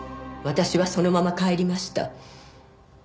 私はそのまま帰りました。